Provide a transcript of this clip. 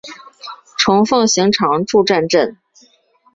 虫奉行常住战阵！